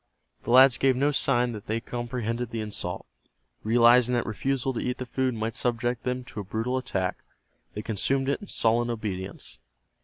The lads gave no sign that they comprehended the insult. Realizing that refusal to eat the food might subject them to a brutal attack, they consumed it in sullen obedience.